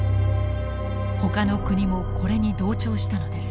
ほかの国もこれに同調したのです。